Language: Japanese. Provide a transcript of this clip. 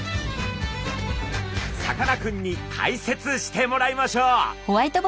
さかなクンに解説してもらいましょう！